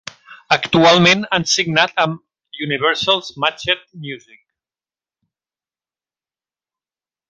Actualment han signat amb Universal's Matxet Music.